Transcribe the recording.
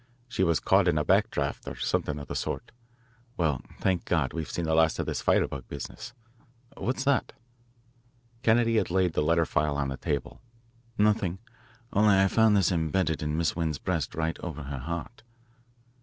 She was caught in a back draught, or something of the sort. Well, thank God, we've seen the last of this firebug business. What's that?" Kennedy had laid the letter file on the table. "Nothing. Only I found this embedded in Miss Wend's breast right over her heart."